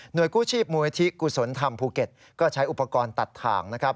โดยกู้ชีพมูลที่กุศลธรรมภูเก็ตก็ใช้อุปกรณ์ตัดถ่างนะครับ